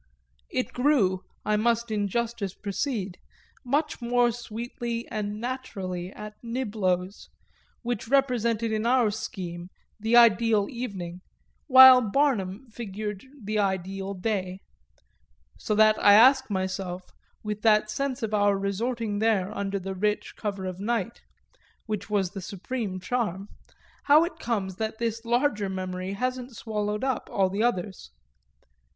It grew, I must in justice proceed, much more sweetly and naturally at Niblo's, which represented in our scheme the ideal evening, while Barnum figured the ideal day; so that I ask myself, with that sense of our resorting there under the rich cover of night (which was the supreme charm,) how it comes that this larger memory hasn't swallowed up all others.